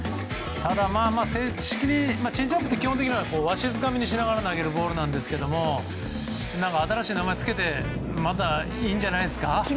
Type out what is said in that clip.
ただ、チェンジアップって基本的にはわしづかみにしながら投げるボールなんですけども新しい名前を付けてもいいんじゃないですかね。